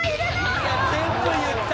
全部言った！